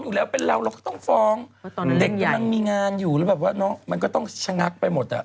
เด็กก็ดังมีงานอยู่แล้วแบบว่าเนาะมันก็ต้องฉะนักไปหมดอะ